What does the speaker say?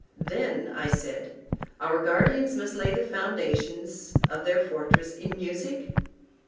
Then, I said, our guardians must lay the foundations of their fortress in music?